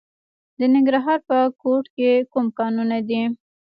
د ننګرهار په کوټ کې کوم کانونه دي؟